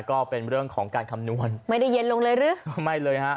ก็เป็นเรื่องของการคำนวณไม่ได้เย็นลงเลยหรือไม่เลยฮะ